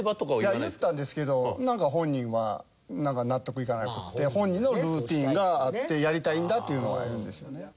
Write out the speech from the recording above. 言ったんですけど本人はなんか納得いかなくて本人のルーチンがあって「やりたいんだ」というのがあるんですよね。